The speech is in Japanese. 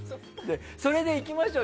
それで行きましょう。